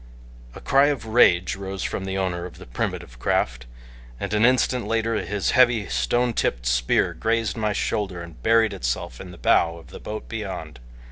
A cry of rage rose from the owner of the primitive craft, and an instant later his heavy, stone tipped spear grazed my shoulder and buried itself in the bow of the boat beyond.